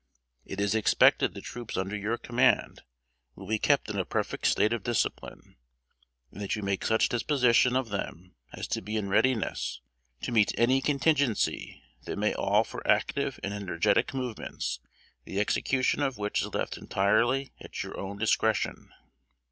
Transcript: "It is expected the troops under your command will be kept in a perfect state of discipline, and that you make such disposition of them as to be in readiness to meet any contingency that may all for active and energetic movements, the execution of which is left entirely at your own discretion.